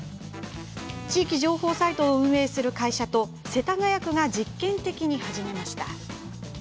地域情報サイトを運営する会社と世田谷区が実験的に始めました。